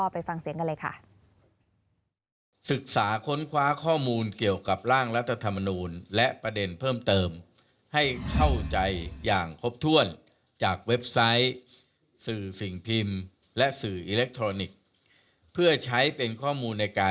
ไปฟังเสียงกันเลยค่ะ